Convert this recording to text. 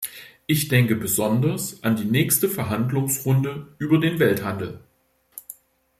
Ich denke besonders an die nächste Verhandlungsrunde über den Welthandel.